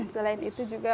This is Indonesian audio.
selain itu juga